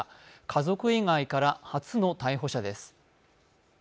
家族以外から初の逮捕者です。